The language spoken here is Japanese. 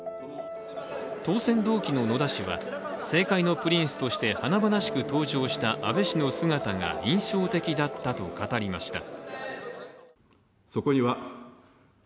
当選同期の野田氏は、政界のプリンスとして華々しく登場した安倍氏の姿が印象的だったと語りました。